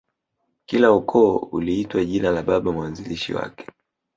Kila ukoo uliitwa jina la Baba mwanzilishi wake